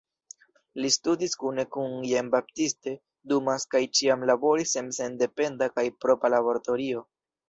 Li studis kune kun Jean-Baptiste Dumas kaj ĉiam laboris en sendependa kaj propra laboratorio.